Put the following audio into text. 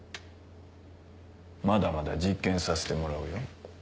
まだまだ実験させてもらうよ。